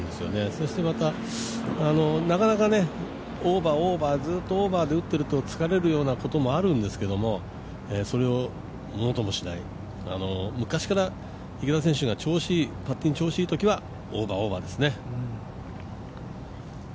そしてまた、なかなかオーバー、オーバーずっとオーバーで打ってると疲れるようなこともあるんですけど、それをものともしない昔から池田選手がパッティングが調子がいいときはオーバー、オーバーですね。